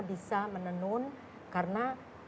bisa menenun karena